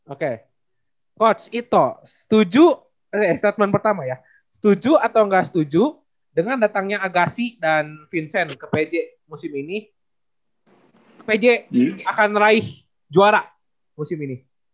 oke coach ito setuju statement pertama ya setuju atau nggak setuju dengan datangnya agasi dan vincent ke pj musim ini pj akan meraih juara musim ini